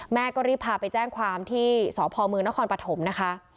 แม่ก็รีบพาไปแจ้งความที่สพมนครปฐมนะคะ